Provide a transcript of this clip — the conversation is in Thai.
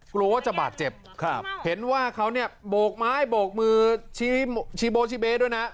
กลัวว่าจะบาดเจ็บครับเห็นว่าเขาเนี่ยโบกไม้โบกมือชีโบชีเบด้วยนะ